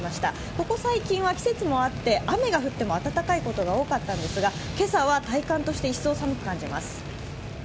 ここ最近は、季節もあって雨が降っても暖かいことが多かったんですが、今朝は体感として一層寒く感じます。